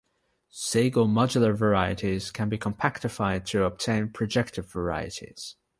Siegel modular varieties can be compactified to obtain projective varieties.